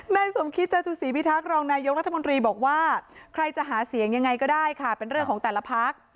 นายสมคิตจตุศีพิทักษ์รองนายกรัฐมนตรีบอกว่าใครจะหาเสียงยังไงก็ได้ค่ะเป็นเรื่องของแต่ละพัก